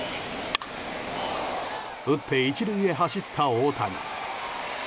打って１塁へ走った大谷。